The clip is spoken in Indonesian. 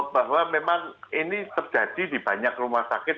bahwa memang ini terjadi di banyak rumah sakit